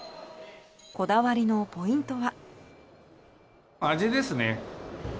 こだわりのポイントは。